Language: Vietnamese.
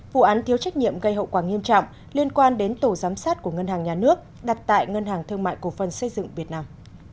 vụ án thiếu trách nhiệm gây hậu quả nghiêm trọng liên quan đến tổ giám sát của ngân hàng nhà nước đặt tại ngân hàng thương mại cổ phân xây dựng việt nam